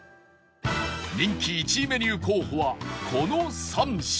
人気１位メニュー候補はこの３品